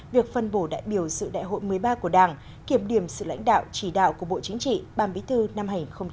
việc phân bổ đại biểu sự đại hội một mươi ba của đảng kiểm điểm sự lãnh đạo chỉ đạo của bộ chính trị ban bí thư năm hai nghìn một mươi chín